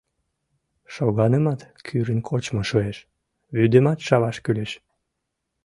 Шоганымат кӱрын кочмо шуэш, вӱдымат шаваш кӱлеш.